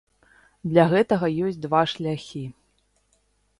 Для гэтага ёсць два шляхі.